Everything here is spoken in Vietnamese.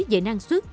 về năng suất